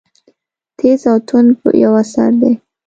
تېز او توند یو اثر دی.